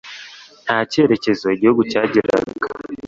nta kerekezo igihugu cyagiraga